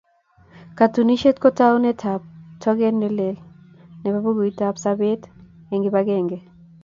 Katunisyet ko taunetab togeet ne lel nebo bukuitab sobeet eng kibagenge.